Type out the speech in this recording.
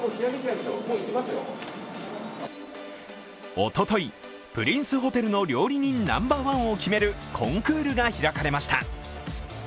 おととい、プリンスホテルの料理人ナンバーワンを決めるコンクールが開かれました。